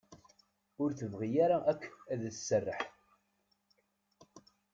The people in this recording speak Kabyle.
Ur tebɣi ara akk ad as-tesserreḥ.